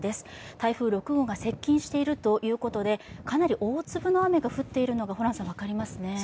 台風６号が接近しているということでかなり大粒の雨が降っているのが分かりますね。